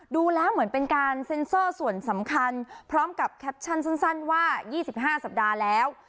ดูแล้วเหมือนเป็นการเซ็นเซอร์ส่วนสำคัญพร้อมกับแคปชั่นสั้นว่า๒๕สัปดาห์แล้ว